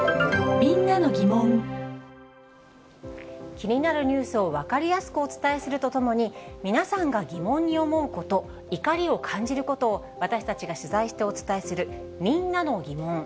気になるニュースを分かりやすくお伝えするとともに、皆さんが疑問に思うこと、怒りを感じることを、私たちが取材してお伝えする、みんなのギモン。